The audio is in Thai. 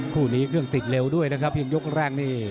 คู่นี้เครื่องติดเร็วด้วยนะครับเพียงยกแรกนี่